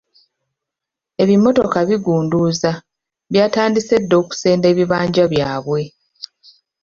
Ebimotoka bigunduuza byatandise dda okusenda ebibanja byabwe.